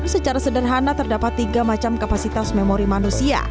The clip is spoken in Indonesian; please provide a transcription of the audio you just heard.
secara sederhana terdapat tiga macam kapasitas memori manusia